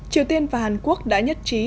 triều tiên và hàn quốc đã nhất trí